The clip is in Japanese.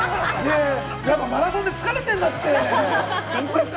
マラソンで疲れてるんだって！